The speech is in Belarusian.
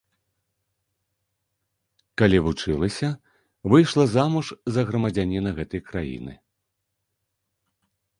Калі вучылася, выйшла замуж за грамадзяніна гэтай краіны.